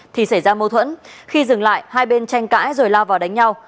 thì xảy ra mâu thuẫn khi dừng lại hai bên tranh cãi rồi lao vào đánh nhau